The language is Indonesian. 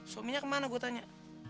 suaminya kemana gua tanya